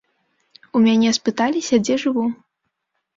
У мяне спыталіся, дзе жыву.